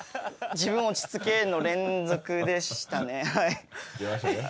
自分落ち着けの連続でしたね。